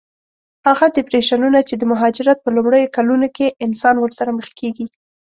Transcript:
هغه ډېپریشنونه چې د مهاجرت په لومړیو کلونو کې انسان ورسره مخ کېږي.